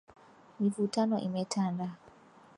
Mivutano imetanda